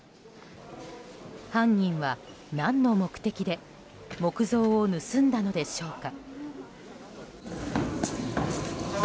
犯人は何の目的で木像を盗んだのでしょうか。